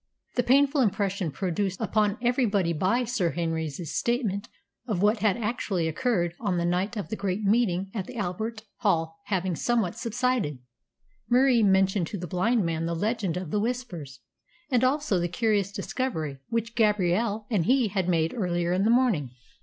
The painful impression produced upon everybody by Sir Henry's statement of what had actually occurred on the night of the great meeting at the Albert Hall having somewhat subsided, Murie mentioned to the blind man the legend of the Whispers, and also the curious discovery which Gabrielle and he had made earlier in the morning.